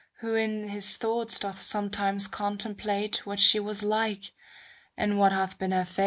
Who in his thoughts doth sometimes con template What she was like, and what hath been her fate.